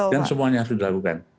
dan semuanya harus dilakukan